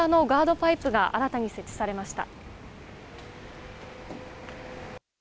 パイプが新たに設置されました。